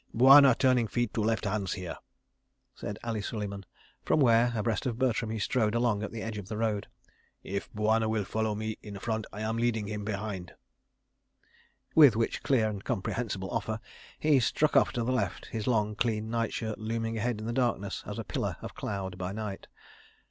... "Bwana turning feet to left hands here," said Ali Suleiman from where, abreast of Bertram, he strode along at the edge of the road. "If Bwana will following me in front, I am leading him behind"—with which clear and comprehensible offer, he struck off to the left, his long, clean night shirt looming ahead in the darkness as a pillar of cloud by night.